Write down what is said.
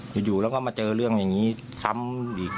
อยู่แล้วก็มาเจอเรื่องอย่างนี้ซ้ำอีก